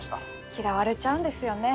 嫌われちゃうんですよね。